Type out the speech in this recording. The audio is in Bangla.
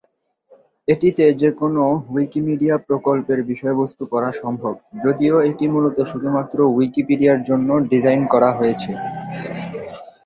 এটিতে যে কোন উইকিমিডিয়া প্রকল্পের বিষয়বস্তু পড়া সম্ভব, যদিও এটি মূলত শুধুমাত্র উইকিপিডিয়ার জন্য ডিজাইন করা হয়েছে।